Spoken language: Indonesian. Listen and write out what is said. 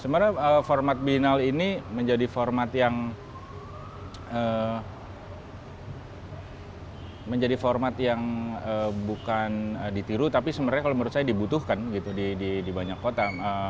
sebenarnya format biennale ini menjadi format yang bukan ditiru tapi sebenarnya kalau menurut saya dibutuhkan gitu di banyak kota